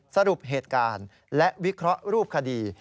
สรุปเหตุการณ์และวิเคราะห์รูปคดี